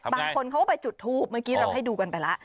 บางคนเขาก็ไปจุดทูปเมื่อกี้เราให้ดูกันไปแล้ว